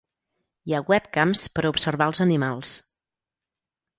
Hi ha webcams per a observar els animals.